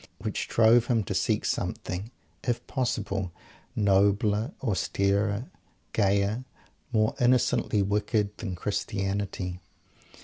which drove him to seek something if possible nobler, austerer, gayer, more innocently wicked, than Christianity!